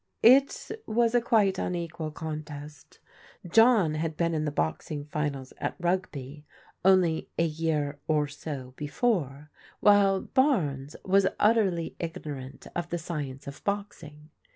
It was a quite unequal contest. John had been in the boxing finals at Rugby only a year or so before, while Barnes was utterly ignorant of the science of boxing.